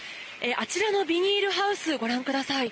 あちらのビニールハウスご覧ください。